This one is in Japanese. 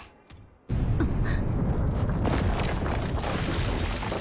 ・あっ！？